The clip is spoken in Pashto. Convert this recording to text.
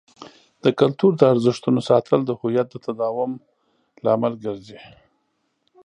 د کلتور د ارزښتونو ساتل د هویت د تداوم لامل ګرځي.